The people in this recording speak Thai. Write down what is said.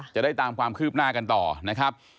จะได้ตามความคืบหน้ากันต่อนะครับ